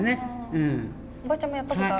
うんおばちゃんもやったことある？